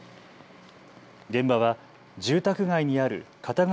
現場は住宅街にある片側